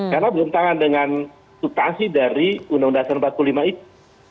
karena berhentangan dengan tutasi dari undang undang seribu sembilan ratus empat puluh lima itu